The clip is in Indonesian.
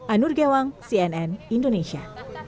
anur gewang cnn indonesia